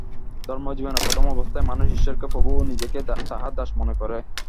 ধর্মজীবনের প্রথম অবস্থায় মানুষ ঈশ্বরকে প্রভু ও নিজেকে তাঁহার দাস মনে করে।